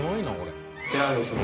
こちらはですね